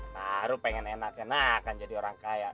baru pengen enak enakan jadi orang kaya